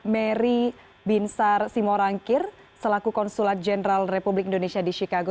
mary binsar simorangkir selaku konsulat jenderal republik indonesia di chicago